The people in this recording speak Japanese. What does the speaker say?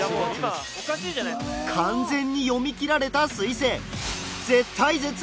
完全に読みきられた彗星。